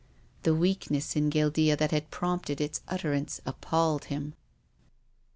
The weakness in Guil dea that had prompted its utterance appalled him. VI.